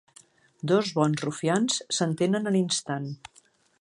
Dos bons rufians s'entenen a l'instant.